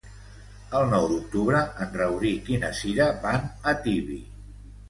El nou d'octubre en Rauric i na Cira van a Tibi.